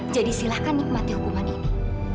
jadi silahkan nikmati hukuman ini